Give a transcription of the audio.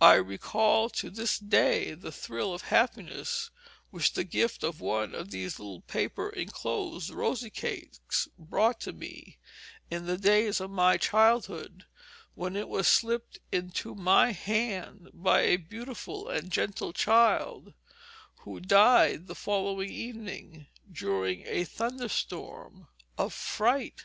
I recall to this day the thrill of happiness which the gift of one of these little paper inclosed rosy cakes brought to me, in the days of my childhood, when it was slipped into my hand by a beautiful and gentle child, who died the following evening, during a thunder storm, of fright.